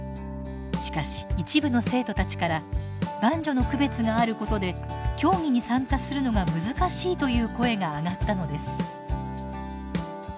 しかし一部の生徒たちから男女の区別があることで競技に参加するのが難しいという声が上がったのです。